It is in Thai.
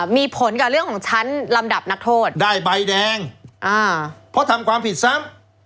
มีผลกับเรื่องของชั้นลำดับนักโทษได้ใบแดงอ่าเพราะทำความผิดซ้ำ